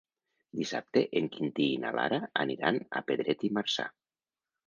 Dissabte en Quintí i na Lara aniran a Pedret i Marzà.